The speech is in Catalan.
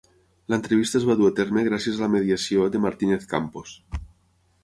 L'entrevista es va dur a terme gràcies a la mediació de Martínez Campos.